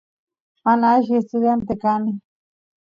mana alli estudiante kani